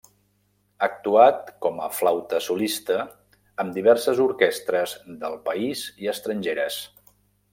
Ha actuat com a flauta solista amb diverses orquestres del país i estrangeres.